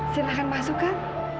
silahkan masuk kan